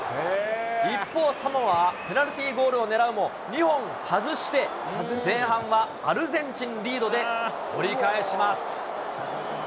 一方、サモアはペナルティゴールを狙うも２本外して、前半はアルゼンチンリードで折り返します。